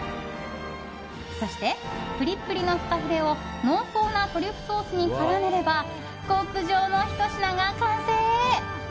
そして、プリップリのフカヒレを濃厚なトリュフソースに絡めれば極上のひと品が完成。